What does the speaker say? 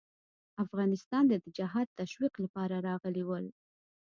افغانستان ته د جهاد تشویق لپاره راغلي ول.